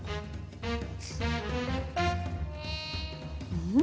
うん？